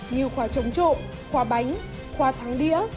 như khóa trống trộm khóa bánh khóa thắng đĩa